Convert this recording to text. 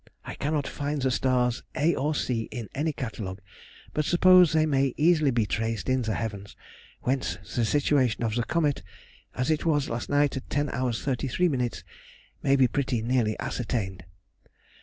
I cannot find the stars a or c in any catalogue, but suppose they may easily be traced in the heavens, whence the situation of the comet, as it was last night at 10^h 33ʹ, may be pretty nearly ascertained.